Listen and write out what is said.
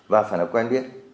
và phải là quen biết